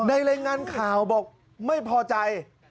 รายงานข่าวบอกไม่พอใจ